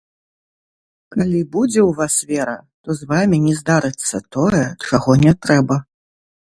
Калі будзе ў вас вера, то з вамі не здарыцца тое, чаго не трэба.